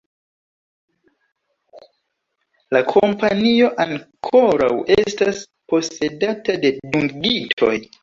La kompanio ankoraŭ estas posedata de dungitoj.